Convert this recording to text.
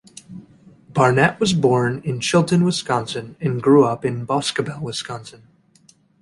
Barnett was born in Chilton, Wisconsin, and grew up in Boscobel, Wisconsin.